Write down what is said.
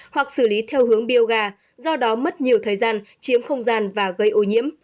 hoặc xử lý theo hướng bioga do đó mất nhiều thời gian chiếm không gian và gây ô nhiễm